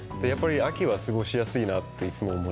秋は過ごしやすいなと思う。